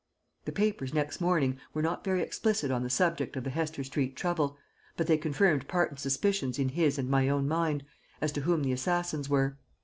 The papers next morning were not very explicit on the subject of the Hester Street trouble, but they confirmed Parton's suspicions in his and my own mind as to whom the assassins were.